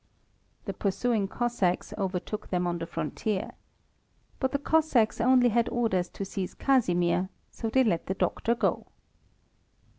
The pursuing Cossacks overtook them on the frontier. But the Cossacks only had orders to seize Casimir, so they let the doctor go.